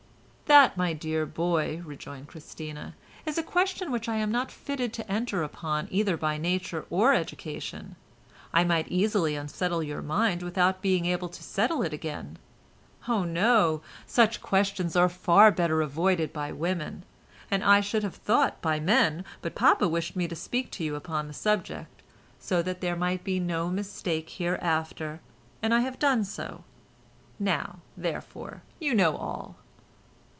"That, my dear boy," rejoined Christina, "is a question which I am not fitted to enter upon either by nature or education. I might easily unsettle your mind without being able to settle it again. Oh, no! Such questions are far better avoided by women, and, I should have thought, by men, but papa wished me to speak to you upon the subject, so that there might be no mistake hereafter, and I have done so. Now, therefore, you know all."